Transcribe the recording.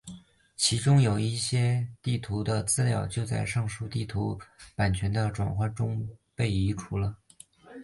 其中有些地图的资料就在上述地图版权的转换中被移除了。